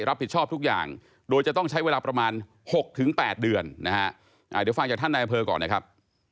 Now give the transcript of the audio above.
รับผิดชอบทุกอย่างโดยจะต้องใช้เวลาประมาณ๖๘เดือนนะฮะเดี๋ยวฟังจากท่านนายอำเภอก่อนนะครับ